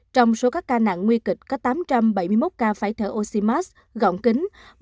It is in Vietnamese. trong số các ca nặng nguy kịch có tám trăm bảy mươi một ca phải thở oxymasc gọn kính